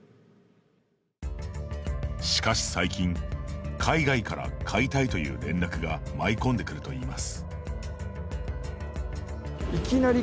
しかし最近、海外から買いたいという連絡が舞い込んでくるといいます。